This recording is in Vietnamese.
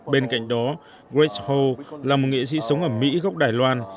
bên cạnh đó west ho là một nghệ sĩ sống ở mỹ gốc đài loan